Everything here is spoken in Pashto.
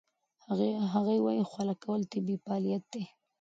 هغه وايي خوله کول طبیعي فعالیت دی.